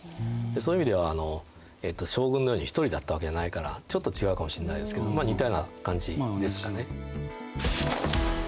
そういう意味では将軍のように一人だったわけじゃないからちょっと違うかもしれないですけど似たような感じですかね。